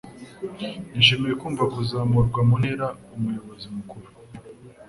Nishimiye kumva kuzamurwa mu ntera Umuyobozi mukuru